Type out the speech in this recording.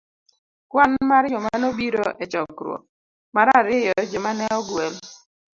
Kwan mar joma nobiro e chokruok .mar ariyo Joma ne Ogwel